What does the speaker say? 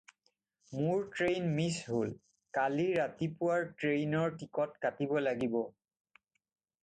মোৰ train miss হ'ল, কালি ৰাতিপুৱাৰ ট্ৰেইনৰ টিকট কাটিব লাগিব।